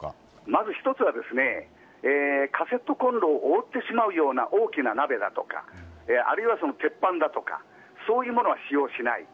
まず１つはカセットコンロを覆ってしまうような大きな鍋だとかあるいは鉄板だとかそういうものは使用しない。